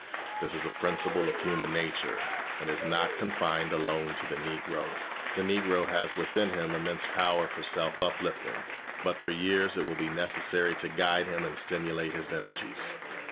This is a principle of human nature, and is not confined alone to the Negro. The Negro has within him immense power for self uplifting, but for years it will be necessary to guide him and stimulate his energies.